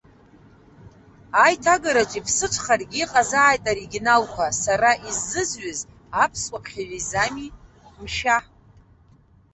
Аиҭагараҿы иԥсыҽхаргьы, иҟазааит аоригиналқәа, сара иззызҩыз аԥсуа ԥхьаҩы изы ами, мшәа?